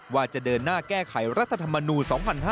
ว่าจะเดินหน้าแก้ไขรัฐธรรมนูล๒๕๕๙